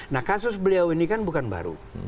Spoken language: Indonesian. nah kasus beliau ini kan bukan baru